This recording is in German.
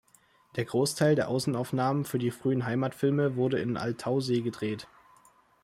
Der Großteil der Außenaufnahmen für die frühen Heimatfilme wurde in Altaussee gedreht.